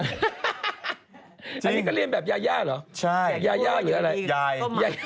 อันนี้ก็เรียนแบบยาเหรอแสกยาหรืออะไรยาย